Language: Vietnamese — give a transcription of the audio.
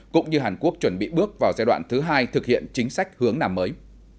cũng như hàn quốc chuẩn bị bước vào giai đoạn thứ hai thực hiện chính sách hướng nằm mới